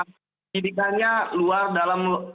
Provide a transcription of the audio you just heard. pendidikannya luar dalam